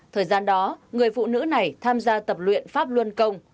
thời gian đó người phụ nữ này tham gia tập luyện pháp luân công